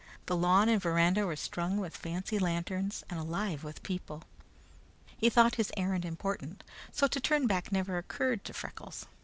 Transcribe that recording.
The lawn and veranda were strung with fancy lanterns and alive with people. He thought his errand important, so to turn back never occurred to Freckles.